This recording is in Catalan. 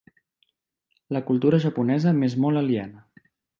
La cultura japonesa m'és molt aliena.